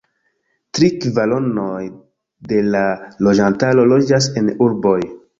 Tri kvaronoj de la loĝantaro loĝas en urboj.